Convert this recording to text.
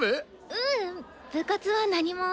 ううん部活は何も。